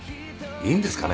いいんですかね